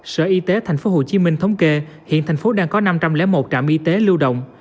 sở y tế tp hcm thống kê hiện thành phố đang có năm trăm linh một trạm y tế lưu động